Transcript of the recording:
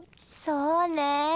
そうねえ。